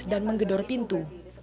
dan menggedor pintu